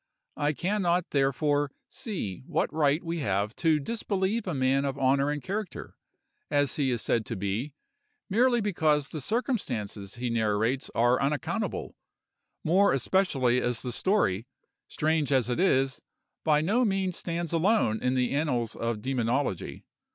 I can not, therefore, see what right we have to disbelieve a man of honor and character, as he is said to be, merely because the circumstances he narrates are unaccountable, more especially as the story, strange as it is, by no means stands alone in the annals of demonology.